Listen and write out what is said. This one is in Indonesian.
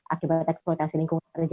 akibat eksploitasi lingkungan mereka